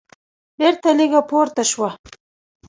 بېرته لږه پورته شوه.